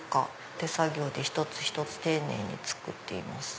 手作業で一つ一つ丁寧に作っています。